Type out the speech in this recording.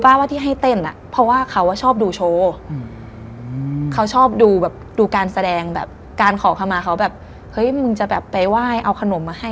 ส่วนมากก็ไม่เลือกเวลานะ